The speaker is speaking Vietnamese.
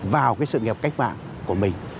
vào cái sự nghiệp cách mạng của mình